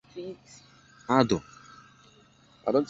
adụ